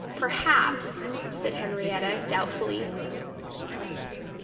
"Perhaps," said Henrietta, doubtfully.